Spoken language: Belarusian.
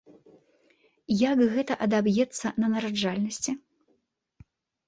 Як гэта адаб'ецца на нараджальнасці?